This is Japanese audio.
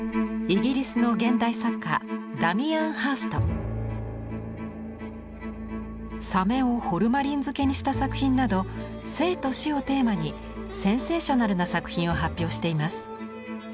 イギリスの現代作家サメをホルマリン漬けにした作品など「生と死」をテーマにセンセーショナルな作品を発表しています。